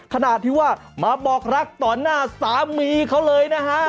ขนาดที่ว่ามาบอกรักต่อหน้าสามีเขาเลยนะฮะ